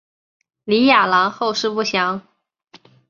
李雅郎后事不详。